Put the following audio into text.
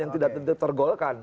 yang tidak tentu tergolokan